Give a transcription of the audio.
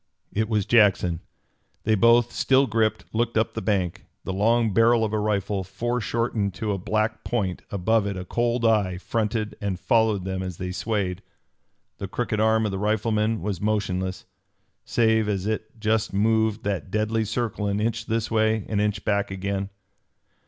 It was Jackson. They both, still gripped, looked up the bank. The long barrel of a rifle, foreshortened to a black point, above it a cold eye, fronted and followed them as they swayed. The crooked arm of the rifleman was motionless, save as it just moved that deadly circle an inch this way, an inch back again.